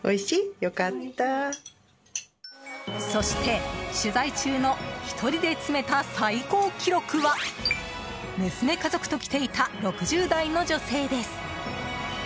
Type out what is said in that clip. そして、取材中の１人で詰めた最高記録は娘家族と来ていた６０代の女性です。